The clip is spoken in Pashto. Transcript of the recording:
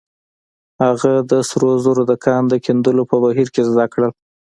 هغه د سرو زرو د کان د کیندلو په بهير کې زده کړل.